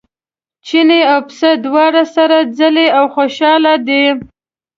چیني او پسه دواړه سره څري او خوشاله دي.